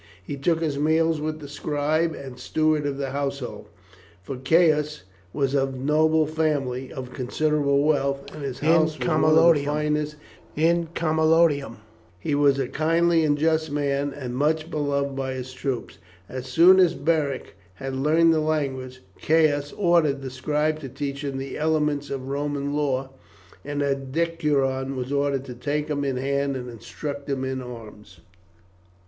He took his meals with the scribe and steward of the household, for Caius was of noble family, of considerable wealth, and his house was one of the finest in Camalodunum. He was a kindly and just man, and much beloved by his troops. As soon as Beric had learned the language, Caius ordered the scribe to teach him the elements of Roman law, and a decurion was ordered to take him in hand and instruct him in arms.